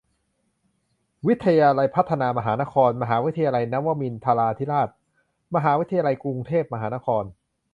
วิทยาลัยพัฒนามหานคร มหาวิทยาลัยนวมินทราธิราช มหาวิทยาลัยกรุงเทพมหานคร